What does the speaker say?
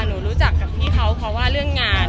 หนูรู้จักกับพี่เขาเพราะว่าเรื่องงาน